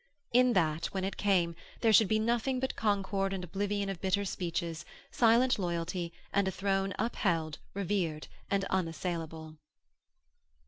In that, when it came, there should be nothing but concord and oblivion of bitter speeches, silent loyalty, and a throne upheld, revered, and unassailable.